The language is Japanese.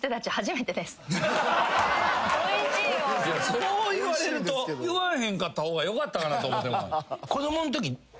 それを言われると言わへんかった方がよかったかなと思ってまう。